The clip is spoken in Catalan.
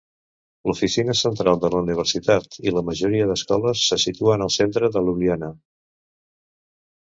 L'oficina central de la universitat i la majoria d'escoles se situen al centre de Ljubljana.